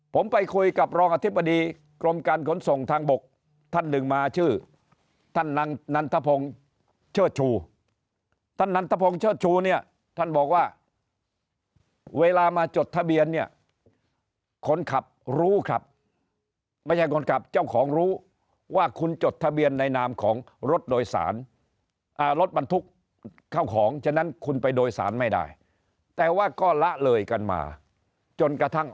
ผมไปคุยกับรองอธิบดีกรมการขนส่งทางบกท่านหนึ่งมาชื่อท่านนางนันทพงศ์เชิดชูท่านนันทพงศ์เชิดชูเนี่ยท่านบอกว่าเวลามาจดทะเบียนเนี่ยคนขับรู้ครับไม่ใช่คนขับเจ้าของรู้ว่าคุณจดทะเบียนในนามของรถโดยสารรถบรรทุกเข้าของฉะนั้นคุณไปโดยสารไม่ได้แต่ว่าก็ละเลยกันมาจนกระทั่ง